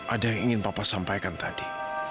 ada yang ingin bapak sampaikan tadi